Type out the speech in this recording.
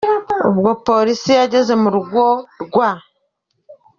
Ubwo Polisi yageraga mu rugo rwa R.